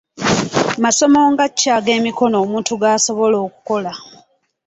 Masomo nga ki ag'emikono omuntu gaasobola okukola?